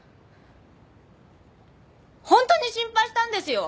ホントに心配したんですよ！